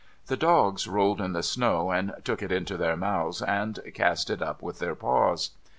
The dogs rolled in the snow^, and took it into their mouths, and cast it up with their paws.